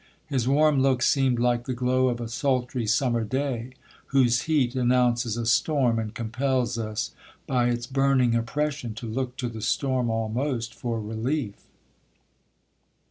His warm look seemed like the glow of a sultry summer day, whose heat announces a storm, and compels us by its burning oppression, to look to the storm almost for relief.